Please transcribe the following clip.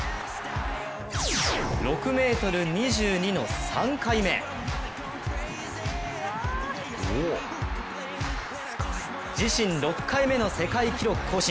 ６ｍ２２の３回目自身６回目の世界記録更新。